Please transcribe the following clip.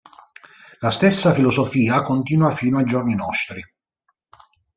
La stessa filosofia continua fino ai giorni nostri.